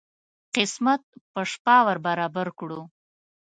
قسمت په شپه ور برابر کړو.